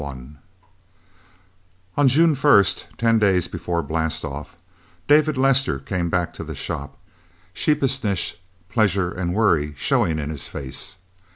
III On June first, ten days before blastoff, David Lester came back to the shop, sheepishness, pleasure and worry showing in his face.